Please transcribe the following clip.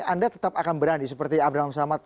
anda tetap akan berani seperti abraham samad